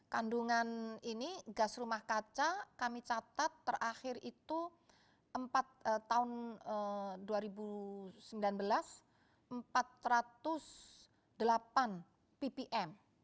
kandungan ini gas rumah kaca kami catat terakhir itu empat tahun dua ribu sembilan belas empat ratus delapan ppm